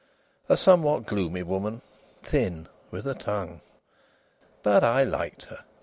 A somewhat gloomy woman; thin, with a tongue! But I liked her.